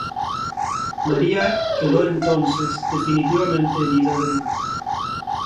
María quedó entonces definitivamente herida de muerte.